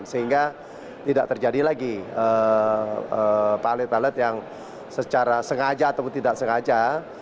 sehingga tidak terjadi lagi pilot pilot yang secara sengaja atau tidak sengaja